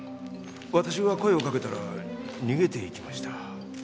私が声をかけたら逃げていきました。